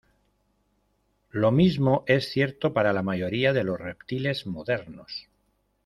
Lo mismo es cierto para la mayoría de los reptiles modernos.